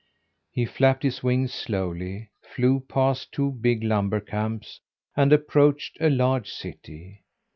He flapped his wings slowly, flew past two big lumber camps, and approached a large city.